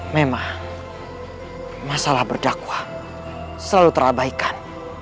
memang masalah berdakwah selalu terabaikan